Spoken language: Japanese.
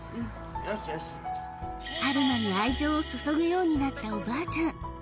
よしよし春馬に愛情を注ぐようになったおばあちゃん